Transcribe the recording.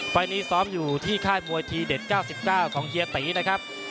ไฟล์นี้ซ้อมอยู่ที่ค่ายมวยทีเด็ด๙๙ของเฮียตีนะครับ